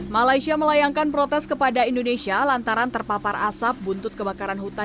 malaysia melayangkan protes kepada indonesia lantaran terpapar asap buntut kebakaran hutan